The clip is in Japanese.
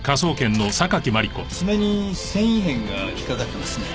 爪に繊維片が引っかかってますね。